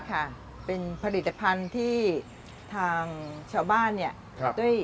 ค่ะเป็นผลิตภัณฑ์ที่ทางชาวบ้านเนี่ยได้